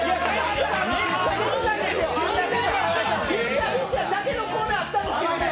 フィーチャーフィッシャーだけのコーナーもあったんですけど。